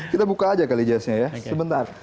kita buka aja kali jazznya ya sebentar